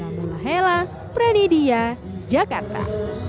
lailah mullahela pranidia jakarta